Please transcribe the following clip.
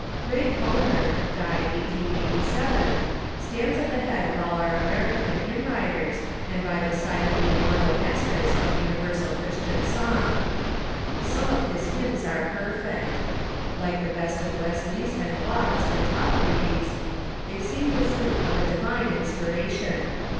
Ray Palmer (d. 1887) stands at the head of all our American hymn writers, and by the side of the immortal masters of universal Christian song. Some of his hymns are perfect Like the best of Wesley's and Watts's and Toj^lady's, they seem the fruit of a divine inspiration.